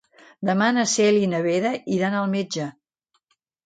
Demà na Cèlia i na Vera iran al metge.